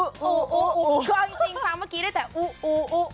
ก็จริงฟังเมื่อกี้ได้แต่อุ